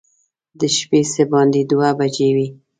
د شپې څه باندې دوه بجې وې.